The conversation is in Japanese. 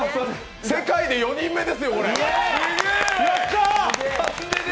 世界で４人目ですよ、これ。